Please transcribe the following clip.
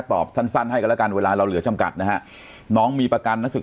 ตอบสั้นให้กันแล้วกันเวลาเหลือจำกัดนะฮะน้องมีประกันและ